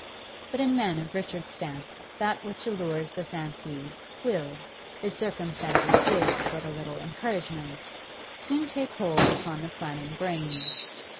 But in men of Richard's stamp that which allures the fancy will, if circumstances give but a little encouragement, soon take hold upon the planning brain.